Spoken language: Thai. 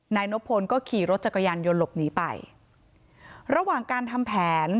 นายนบพลก็ขี่รถจักรยานยนต์หลบหนีไประหว่างการทำแผน